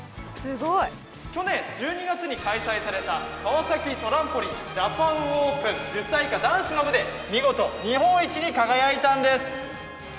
去年１２月に開催された川崎トランポリンジャパンオープン１０歳以下男子の部で見事、日本一に輝いたんです。